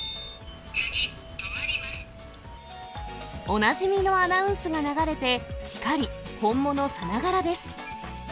おなじみのアナウンスが流れて光り、本物さながらです。